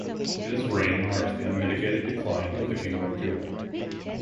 His reign marks the unmitigated decline of the kingdom of Judah.